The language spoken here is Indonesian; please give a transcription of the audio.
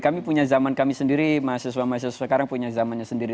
kami punya zaman kami sendiri mahasiswa mahasiswa sekarang punya zamannya sendiri